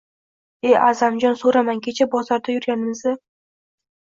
– E, A’zamjon, so’ramang. Kecha bozorda yurganimizda